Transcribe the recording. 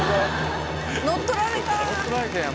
乗っ取られた！